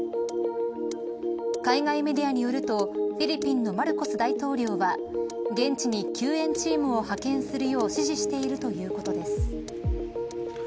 海外メディアによるとフィリピンのマルコス大統領は現地に救援チームを派遣するよう指示しているということです。